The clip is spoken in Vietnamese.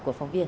của phóng viên